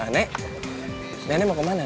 nek nenek mau ke mana nek